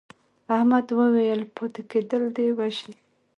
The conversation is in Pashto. احمد وویل پاتې کېدل دې وژني.